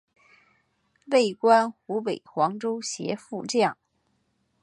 累官湖北黄州协副将。